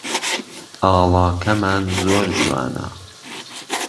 ئاڵاکەمان زۆر جوانە